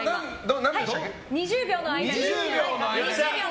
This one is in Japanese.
２０秒の間です。